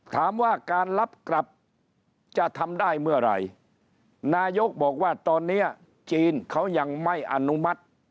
ถามว่าการรับกลับจะทำได้เมื่อไหร่นายกบอกว่าตอนนี้จีนเขายังไม่อนุมัติ